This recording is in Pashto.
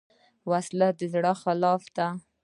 وسله د زړه خلاف ده